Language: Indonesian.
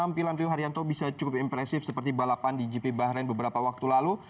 tampilan rio haryanto bisa cukup impresif seperti balapan di gp bahrain beberapa waktu lalu